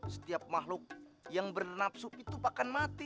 setiap makhluk yang bernapsu itu bahkan mati